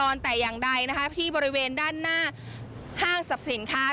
ตั้งแต่อย่างใดที่บริเวณด้านหน้าห้างศัพท์สินค้า